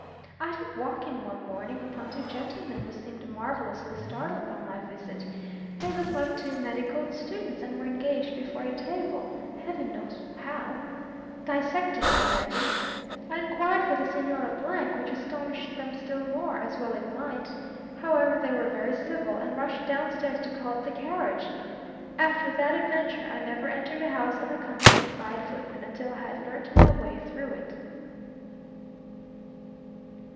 I did walk in one morning upon two gentlemen who seemed marvellously startled by my visit. They looked like two medical students, and were engaged before a table, Heaven knows how; dissecting, I imagine. I inquired for the Señora , which astonished them still more, as well it might. However, they were very civil, and rushed downstairs to call up the carriage. After that adventure I never entered a house unaccompanied by a footman, until I had learnt my way through it.